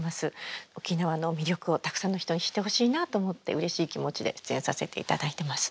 沖縄の魅力をたくさんの人に知ってほしいなと思ってうれしい気持ちで出演させて頂いてます。